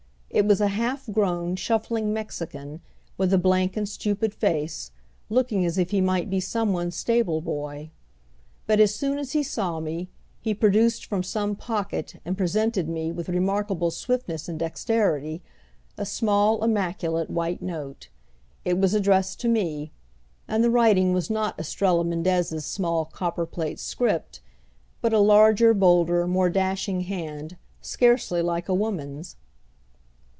It was a half grown shuffling Mexican, with a blank and stupid face, looking as if he might be some one's stable boy. But as soon as he saw me, he produced from some pocket and presented to me with remarkable swiftness and dexterity, a small immaculate white note. It was addressed to me, and the writing was not Estrella Mendez's small copper plate script, but a larger, bolder, more dashing hand, scarcely like a woman's.